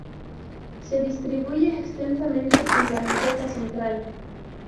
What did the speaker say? Se distribuye extensamente en la meseta central.